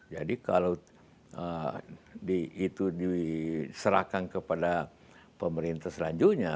jadi kalau diserahkan kepada pemerintah selanjutnya